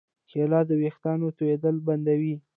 کېله د ویښتانو تویېدل بندوي.